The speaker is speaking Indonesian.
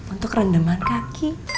untuk rendeman kaki